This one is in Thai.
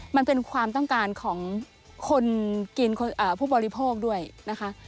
มันเป็นความต้องการของคนกินผู้บริโภคด้วยนะคะ